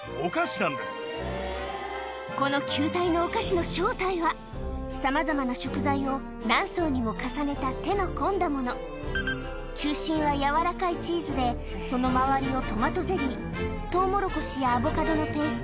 この球体のお菓子の正体はさまざまな食材を何層にも重ねた手の込んだもの中心は軟らかいチーズでその周りをトマトゼリートウモロコシやアボカドのペースト